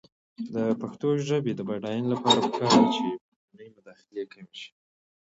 د پښتو ژبې د بډاینې لپاره پکار ده چې بهرنۍ مداخلې کمې شي.